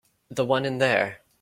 The one in there.